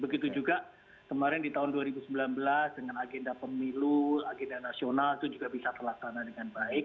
begitu juga kemarin di tahun dua ribu sembilan belas dengan agenda pemilu agenda nasional itu juga bisa terlaksana dengan baik